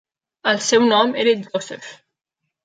El seu nom era Joseph.